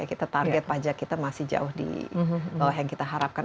kita target pajak kita masih jauh di bawah yang kita harapkan